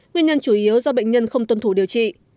nguyên nhân chủ yếu do bệnh nhân không tuân thủ điều trị